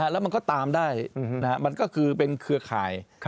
แล้วมันก็ตามได้มันก็คือเป็นเครือข่าย